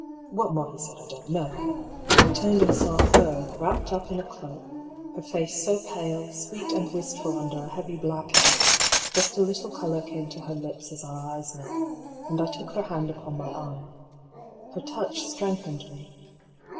What more he said I don't know. I turned and saw her wrapped up in a cloak, her face so pale, sweet and wistful under a heavy black hat ; just a little colour came to her lips as our eyes met, and I took her hand upon my arm. Her touch strengthened me.